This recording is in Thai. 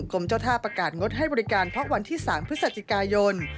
กรมเจ้าท่าประกาศงดให้บริการเพราะวันที่๓พฤศจิกายน